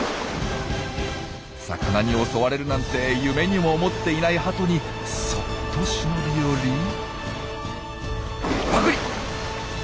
魚に襲われるなんて夢にも思っていないハトにそっと忍び寄りパクリ！